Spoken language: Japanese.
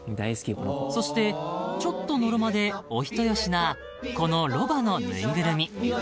［そしてちょっとのろまでお人よしなこのロバの縫いぐるみ］